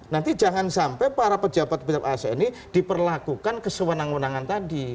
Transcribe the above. nanti jangan sampai para pejabat pejabat asn ini diperlakukan kesewenang wenangan tadi